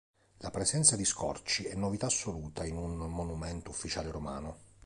La presenza di scorci è novità assoluta in un monumento ufficiale romano.